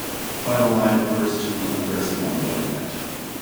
The final line refers to undressing on the wedding night.